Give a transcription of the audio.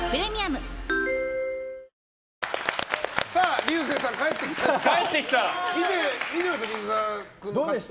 竜星さん、帰ってきました。